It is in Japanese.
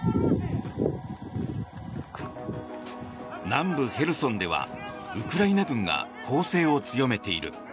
南部ヘルソンではウクライナ軍が攻勢を強めている。